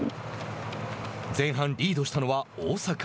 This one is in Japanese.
前半、リードしたのは大阪。